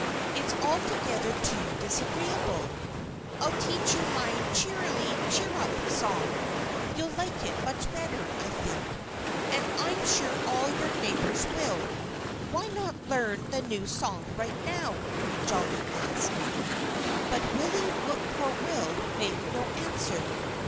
It's altogether too disagreeable. I'll teach you my 'Cheerily cheerup' song. You'll like it much better, I think. And I'm sure all your neighbors will.... Why not learn the new song right now?" Jolly asked. But Willie Whip poor will made no answer.